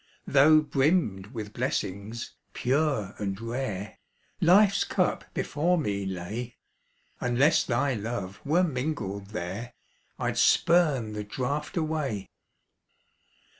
Tho' brimmed with blessings, pure and rare, Life's cup before me lay, Unless thy love were mingled there, I'd spurn the draft away.